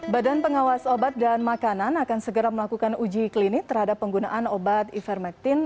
badan pengawas obat dan makanan akan segera melakukan uji klinik terhadap penggunaan obat ivermectin